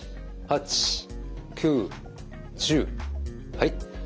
はい。